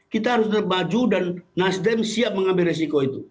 kita harus maju dan nasdem siap mengambil resiko itu